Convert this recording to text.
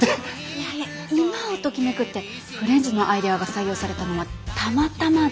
いやいや今をときめくってフレンズのアイデアが採用されたのはたまたまで。